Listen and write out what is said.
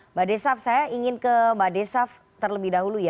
mbak desaf saya ingin ke mbak desaf terlebih dahulu ya